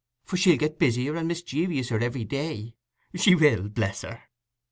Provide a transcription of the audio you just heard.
For she'll get busier and mischievouser every day—she will, bless her.